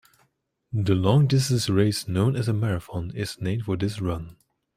The long-distance race known as a marathon is named for this run.